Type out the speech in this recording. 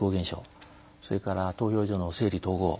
それから投票所の整理・統合。